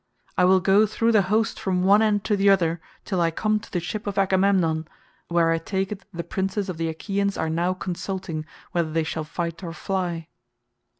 I will go through the host from one end to the other till I come to the ship of Agamemnon, where I take it the princes of the Achaeans are now consulting whether they shall fight or fly."